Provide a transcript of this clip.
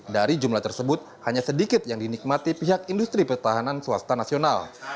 dari jumlah tersebut hanya sedikit yang dinikmati pihak industri pertahanan swasta nasional